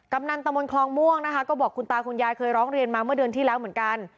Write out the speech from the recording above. กำนันตมคลองม่วงนะคะก็บอกคุณตาคุณยายเคยร้องเรียนมาเมื่อเดือนที่แล้วเหมือนกัน